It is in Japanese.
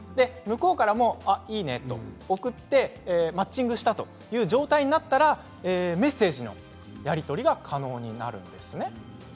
向こうからもイイネと送ってマッチングしたとなったらメッセージのやり取りが可能になるんですね。